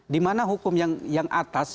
di mana hukum yang atas